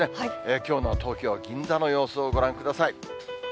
きょうの東京・銀座の様子をご覧ください。